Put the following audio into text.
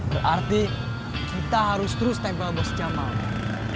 berarti kita harus terus tempel bos jamal